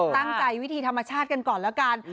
วิธีธรรมชาติกันก่อนแล้วกัน